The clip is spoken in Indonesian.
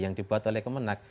yang dibuat oleh kemenang